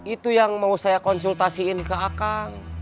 itu yang mau saya konsultasiin ke akang